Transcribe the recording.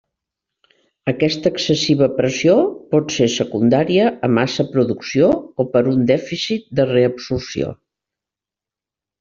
Aquesta excessiva pressió pot ser secundària a massa producció o per un dèficit de reabsorció.